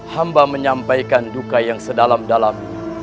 hamba menyampaikan duka yang sedalam dalam